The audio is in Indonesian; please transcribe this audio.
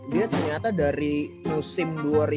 dia ternyata dari musim